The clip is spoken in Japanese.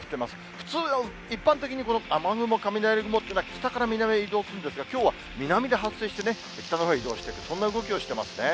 普通、一般的にこの雨雲、雷雲というのは北から南へ移動するんですが、きょうは南で発生してね、北のほうへ移動していく、そんな動きをしてますね。